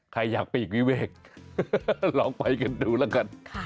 ใครอยากไปอีกวิเวกลองไปกันดูแล้วกัน